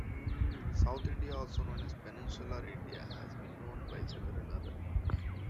South India also known as Peninsular India has been known by several other names.